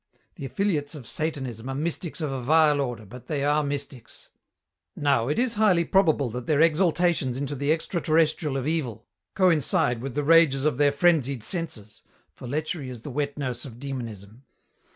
The affiliates of Satanism are mystics of a vile order, but they are mystics. Now, it is highly probable that their exaltations into the extra terrestrial of Evil coincide with the rages of their frenzied senses, for lechery is the wet nurse of Demonism.